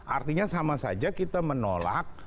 artinya sama saja kita menolak